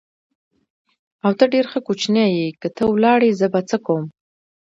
او، ته ډېر ښه کوچنی یې، که ته ولاړې زه به څه کوم؟